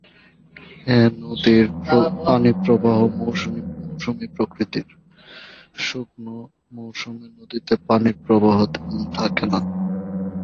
এ নদীর পানিপ্রবাহ মৌসুমি প্রকৃতির, শুকনো মৌসুমে নদীতে পানির প্রবাহ তেমন থাকে না।